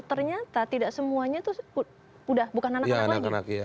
ternyata tidak semuanya itu udah bukan anak anak lagi